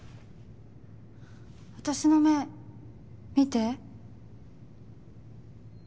私の目見て。